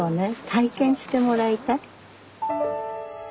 体験してもらいたい。